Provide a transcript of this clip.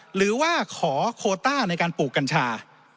หรือว่าขอโคต้าในการปลูกกัญชา